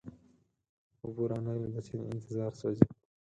اوبه را نغلې د سیند انتظار سوزی